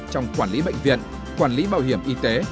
trong quản lý bệnh viện quản lý bảo hiểm y tế